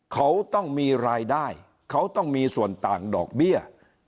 เขาต้องมีรายได้เขาต้องมีส่วนต่างดอกเบี้ย